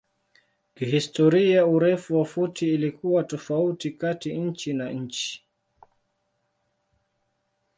Kihistoria urefu wa futi ilikuwa tofauti kati nchi na nchi.